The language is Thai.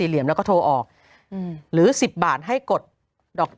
โหยวายโหยวายโหยวาย